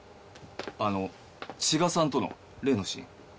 あの千賀さんとの例のシーン。